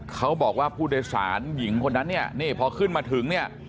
เขาบอกว่าผู้โดยสารหญิงคนนั้นพอขึ้นมาถึง